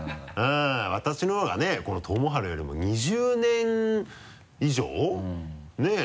私のほうがねこの知治よりも２０年以上？ねぇ？